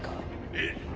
えっ？